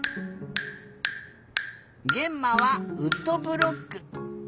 げんまはウッドブロック。